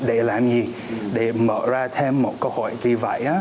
để làm gì để mở ra thêm một cơ hội vì vậy